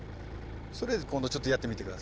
それで今度ちょっとやってみて下さい。